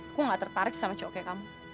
aku gak tertarik sama cowok kayak kamu